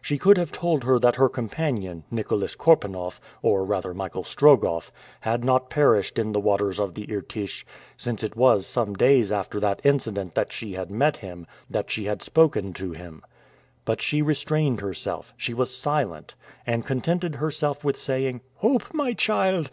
She could have told her that her companion, Nicholas Korpanoff, or rather Michael Strogoff, had not perished in the waters of the Irtych, since it was some days after that incident that she had met him, that she had spoken to him. But she restrained herself, she was silent, and contented herself with saying, "Hope, my child!